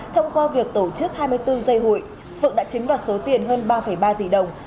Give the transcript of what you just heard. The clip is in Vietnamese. thông qua việc tổ chức hai mươi bốn giây hụi phượng đã chiếm đoạt số tiền hơn ba ba tỷ đồng